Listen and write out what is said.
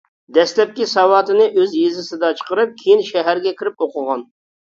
دەسلەپكى ساۋاتىنى ئۆز يېزىسىدا چىقىرىپ، كېيىن شەھەرگە كىرىپ ئوقۇغان.